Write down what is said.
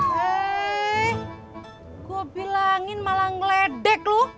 eh gue bilangin malah ngeledek lu